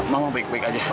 mama baik baik aja